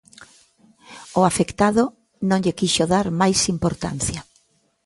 O afectado non lle quixo dar máis importancia.